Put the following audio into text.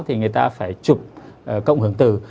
thì người ta phải chụp cộng hưởng tử